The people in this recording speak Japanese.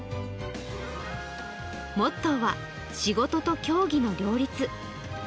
モットーは、仕事と競技の両立。